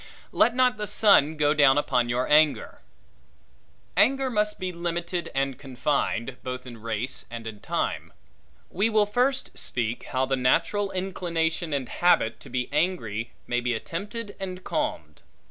Let not the sun go down upon your anger. Anger must be limited and confined, both in race and in time. We will first speak how the natural inclination and habit to be angry, may be attempted and calmed.